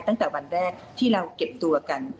ตั้งแต่วันแรกที่เราเก็บตัวกัน